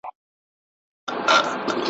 دا وینا له دومره پوچو الفاظو ,